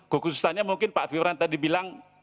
kekhususannya mungkin pak firman tadi bilang